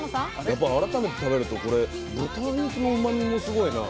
やっぱ改めて食べるとこれ豚肉のうまみもすごいな。